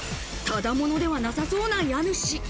ただものではなさそうな家主。